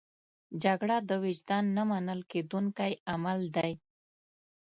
جګړه د وجدان نه منل کېدونکی عمل دی